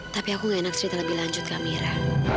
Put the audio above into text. tapi aku gak enak cerita lebih lanjut kak amira